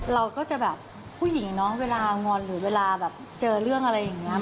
เราก็จะแบบผู้หญิงเนาะเวลางอนหรือเวลาแบบเจอเรื่องอะไรอย่างนี้